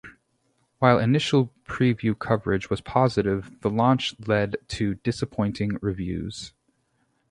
While initial preview coverage was positive the launch lead to disappointing reviews.